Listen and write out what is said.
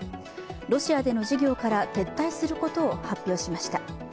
ロシアでの事業から撤退することを発表しました。